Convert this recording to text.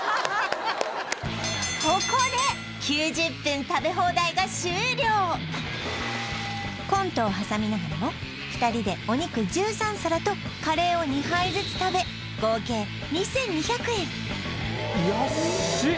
ここでコントを挟みながらも２人でお肉１３皿とカレーを２杯ずつ食べ合計２２００円